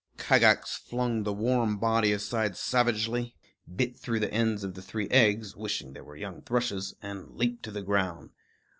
Kagax flung the warm body aside savagely, bit through the ends of the three eggs, wishing they were young thrushes, and leaped to the ground.